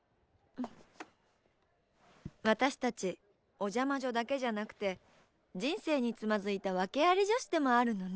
私たち「おジャ魔女」だけじゃなくて人生につまずいたワケあり女子でもあるのね。